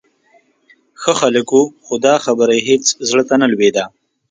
ښه خلک و، خو دا خبره یې هېڅ زړه ته نه لوېده.